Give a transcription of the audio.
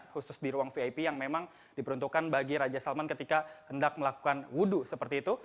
khusus di ruang vip yang memang diperuntukkan bagi raja salman ketika hendak melakukan wudhu seperti itu